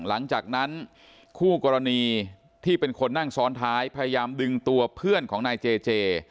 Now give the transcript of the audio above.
หลังจากนั้นคู่กรณีที่เป็นคนนั่งซ้อนท้ายพยายามดึงตัวเพื่อนของนายเจเจ